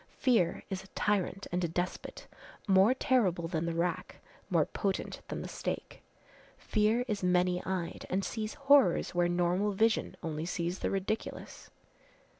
Fear is a tyrant and a despot, more terrible than the rack, more potent than the stake. Fear is many eyed and sees horrors where normal vision only sees the ridiculous."